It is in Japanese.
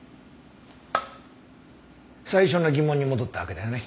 最初の疑問に戻ったわけだよね。